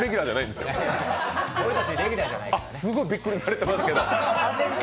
すごいびっくりされてますけど。